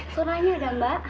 sunanya ada mbak